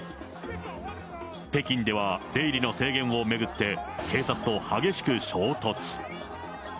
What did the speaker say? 北京では出入りの制限を巡って警察と激しく衝突。